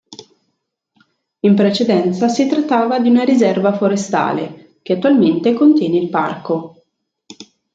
In precedenza si trattava di una riserva forestale, che attualmente contiene il parco.